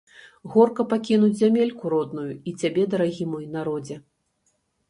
Горка пакінуць зямельку родную і цябе, дарагі мой народзе.